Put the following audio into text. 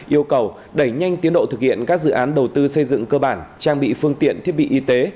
yêu cầu đẩy nhanh tiến độ thực hiện các dự án đầu tư xây dựng cơ bản trang bị phương tiện thiết bị y tế